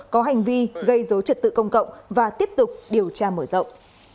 có hành vi gây dối trật tự công cộng và tiếp tục điều tra mở rộng